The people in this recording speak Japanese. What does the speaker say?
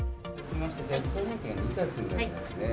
商品券２冊になりますね。